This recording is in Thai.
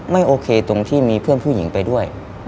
ไม่โอเคตรงที่มีเพื่อนผู้หญิงไปด้วย